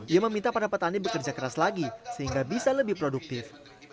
ia meminta pada petani bekerja keras lagi sehingga bisa lebih produktif